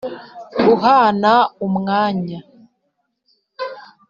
guhana umwanya: